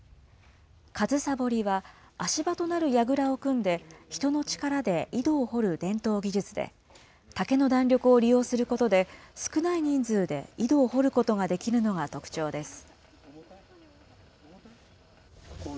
上総掘りは、足場となるやぐらを組んで、人の力で井戸を掘る伝統技術で、竹の弾力を利用することで、少ない人数で井戸を掘ることができるのが特徴です。